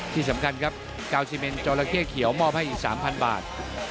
ที่สำคัญครับกาวซิเมนจอละเข้เขียวมอบให้อีก๓๐๐บาท